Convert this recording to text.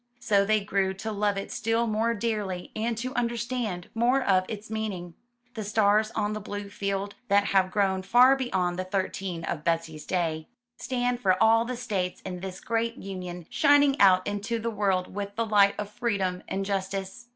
So they grew to love it still more dearly and to understand more of its meaning. The stars on the blue field, that have grown far beyond the thirteen of Betsy's day, stand for all the states in this great union, shining out into the world with the light of freedom and justice.